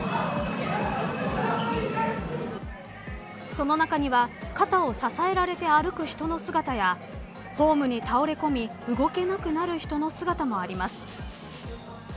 その中には肩を支えられて歩く人の姿やホームに倒れ込み動けなくなる人の姿もあります。